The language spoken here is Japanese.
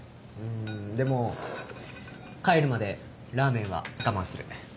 んでも帰るまでラーメンは我慢する。